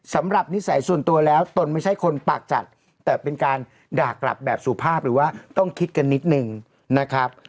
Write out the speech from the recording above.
สำหรับนิสัยส่วนตัวแล้วตนไม่ใช่คนปากจัดแต่เป็นการด่ากลับแบบสุภาพหรือว่าต้องคิดกันนิดนึงนะครับ